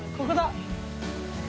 ここだ！